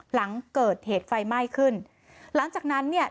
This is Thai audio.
หลังเกิดเหตุไฟไหม้ขึ้นหลังจากนั้นเนี่ย